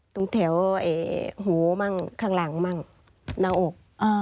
ตรงแถวหูมั่งข้างหลังมั่งหน้าอก